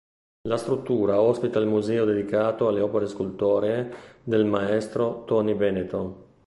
La struttura ospita il museo dedicato alle opere scultoree del maestro Toni Benetton.